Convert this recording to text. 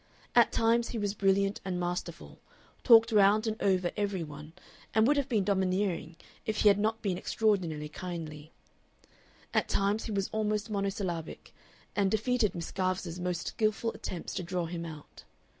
At times he was brilliant and masterful, talked round and over every one, and would have been domineering if he had not been extraordinarily kindly; at times he was almost monosyllabic, and defeated Miss Garvice's most skilful attempts to draw him out.